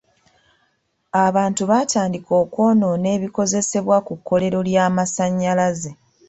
Abantu baatandika okwonoona ebikozesebwa ku kkolero ly'amasanyalaze.